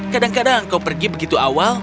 kadang kadang engkau pergi begitu awal